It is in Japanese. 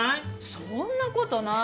そんなことない。